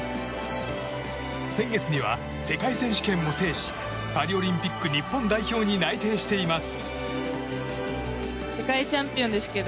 先月には世界選手権も制しパリオリンピック日本代表に内定しています。